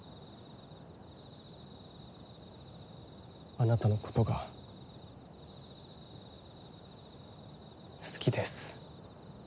あなたのことが好きです。